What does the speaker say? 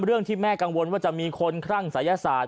เรื่องที่แม่กังวลว่าจะมีคนคลั่งศัยศาสต